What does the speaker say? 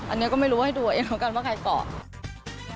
อันนี้ก็ไม่รู้ให้ดูเองว่าใครฝ่าก่อ